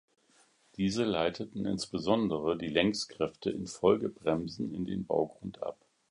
Diese leiteten insbesondere die Längskräfte infolge Bremsen in den Baugrund ab.